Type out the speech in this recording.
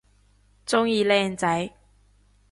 鍾意靚仔